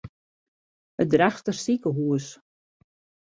It Drachtster sikehús.